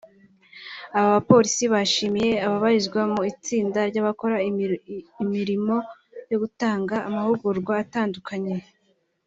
Aba bapolisi bashimiwe babarizwa mu itsinda ry’abakora imirimoyo gutanga amahugurwa atandukanye